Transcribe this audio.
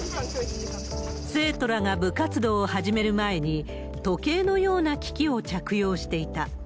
生徒らが部活動を始める前に、時計のような機器を着用していた。